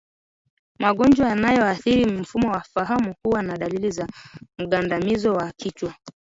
Magonjwa yanayoathiri mfumo wa fahamu huwa na dalili za mgandamizo wa kichwa